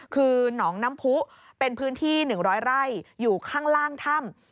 คือหนองน้ำผู้เป็นพื้นที่๑๐๐ไร่อยู่ข้างล่างถ้ำ